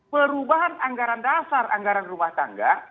perubahan anggaran dasar anggaran rumah tangga